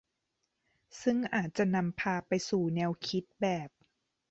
ซึ่งอาจจะนำพาไปสู่แนวคิดแบบ